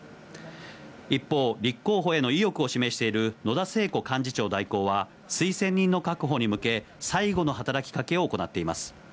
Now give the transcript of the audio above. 一方、立候補への意欲を示している野田聖子幹事長代行は、推薦人の確保に向け、最後の働きかけを行っています。